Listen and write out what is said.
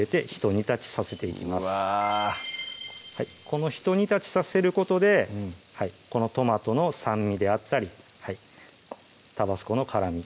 このひと煮立ちさせることでこのトマトの酸味であったりタバスコの辛み